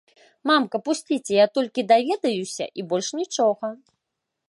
Мамка, пусціце, я толькі даведаюся, і больш нічога!